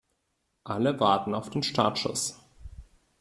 Alle warten auf den Startschuss.